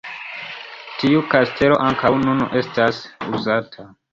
Tiu kastelo ankaŭ nun estas uzata.